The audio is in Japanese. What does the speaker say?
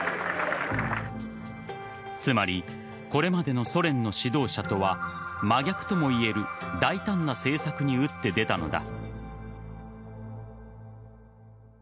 つまりこれまでのソ連の指導者とは真逆ともいえる大胆な政策に打って出たのだ。